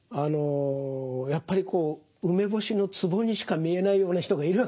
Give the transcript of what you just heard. やっぱり梅干しのツボにしか見えないような人がいるわけですね。